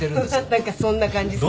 何かそんな感じする。